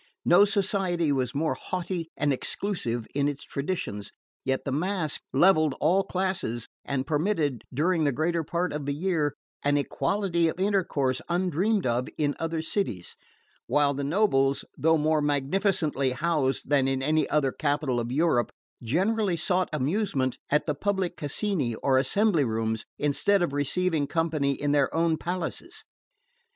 No society was more haughty and exclusive in its traditions, yet the mask leveled all classes and permitted, during the greater part of the year, an equality of intercourse undreamed of in other cities; while the nobles, though more magnificently housed than in any other capital of Europe, generally sought amusement at the public casini or assembly rooms instead of receiving company in their own palaces.